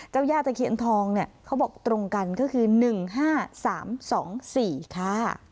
เจ้าย่าตะเขียนทองเนี่ยเขาบอกตรงกันก็คือหนึ่งห้าสามสองสี่ค่ะ